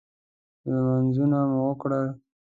لمنځونه مو وکړل.